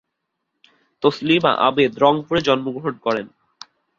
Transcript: তসলিমা আবেদ রংপুরে জন্মগ্রহণ করেন।